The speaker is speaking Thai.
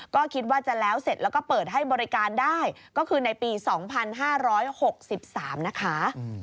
ก็คิดว่าจะแล้วเสร็จแล้วก็เปิดให้บริการได้ก็คือในปี๒๕๖๓นะคะ